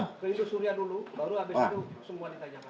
ke hindus surya dulu baru habis itu semua ditanyakan